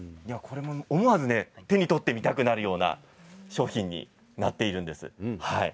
思わず手に取ってみたくなるような商品になっているんです。